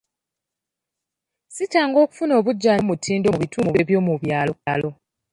Ssi kyangu okufuna obujjanjabi obw'omutindo mu bitundu by'omu byalo.